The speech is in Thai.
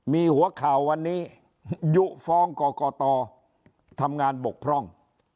มีหัวข่าววันนี้ยุฟ้องกรกตทำงานบกพร่อง